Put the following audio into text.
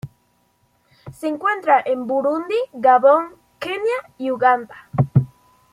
Se encuentra en Burundi, Gabón, Kenia y Uganda.